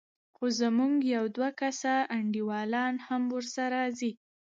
خو زموږ يو دوه کسه انډيوالان هم ورسره ځي.